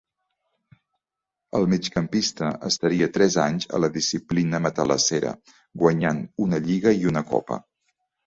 El migcampista estaria tres anys a la disciplina matalassera, guanyant una lliga i una copa.